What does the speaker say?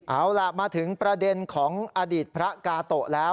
เอาล่ะมาถึงประเด็นของอดีตพระกาโตะแล้ว